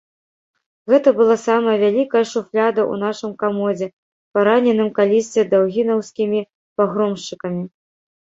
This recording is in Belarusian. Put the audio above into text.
Гэта была самая вялікая шуфляда ў нашым камодзе, параненым калісьці даўгінаўскімі пагромшчыкамі.